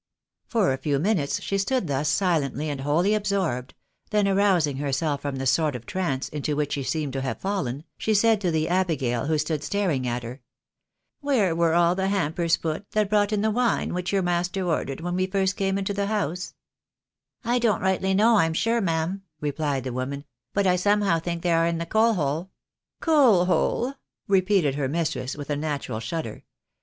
For a few minutes she stood thus silently and wholly absorbed, then arousing herself from the sort of trance into which she seemed to have fallen, she said to the Abigail, who stood staring at her, " Where were all the hampers put, that brought in the wine which your master ordered when we first came iato the house ?" '88 THE BARNABYS IN AMEEICA. " I don't rightly know, I'm sure, ma'am," replied the woman, " but I somehow think they are in the coal hole." " Coal hole !" repeated her mistress with a natural shudder.